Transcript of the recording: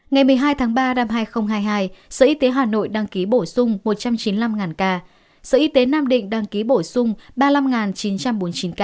ngày một mươi hai tháng ba năm hai nghìn hai mươi hai sở y tế hà nội đăng ký bổ sung một trăm chín mươi năm ca sở y tế nam định đăng ký bổ sung ba mươi năm chín trăm bốn mươi chín ca